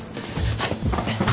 あっすいません。